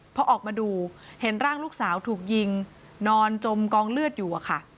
พอออกมาดูเห็นร่างลูกสาวถูกยิงนอนจมกองเลือดอยู่อะค่ะ